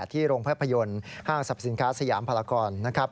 ที่โรงพยาบาลพยนตร์ห้างศัพท์สินค้าสยามพลากร